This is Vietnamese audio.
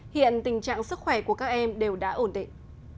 hiện tình trạng sức khỏe của các em đều đã ổn định